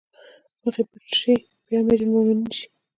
مخ يې پټ شي بيا امرالمومنين شي